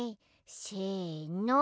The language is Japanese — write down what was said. せの。